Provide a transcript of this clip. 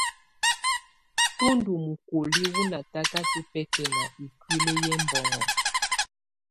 Tú ndù mukoliǝ wù natakatɔ̀ bɛkɛna ikuili yɛ ɛmbɔŋɔ.